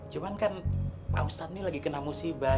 cuman kan pak ustadz ini lagi kena musibah